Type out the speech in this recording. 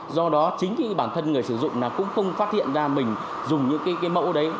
do đó chính bản thân người sử dụng là cũng không phát hiện ra mình dùng những cái mẫu đấy